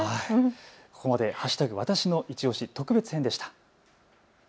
ここまで＃わたしのいちオシ特別編でした。